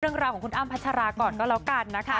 เรื่องราวของคุณอ้ำพัชราก่อนก็แล้วกันนะคะ